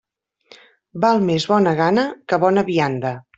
Val més bona gana que bona vianda.